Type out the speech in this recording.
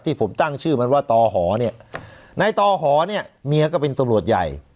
ผมตั้งชื่อมันว่าต่อหอเนี่ยในต่อหอเนี่ยเมียก็เป็นตำรวจใหญ่